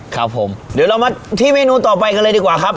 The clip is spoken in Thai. ครับผมเดี๋ยวเรามาที่เมนูต่อไปกันเลยดีกว่าครับ